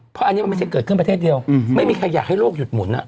เพราะอันนี้มันไม่ใช่เกิดขึ้นประเทศเดียวไม่มีใครอยากให้โลกหยุดหมุน